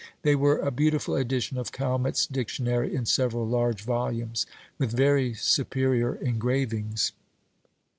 They were a beautiful edition of Calmet's Dictionary, in several large volumes, with very superior engravings.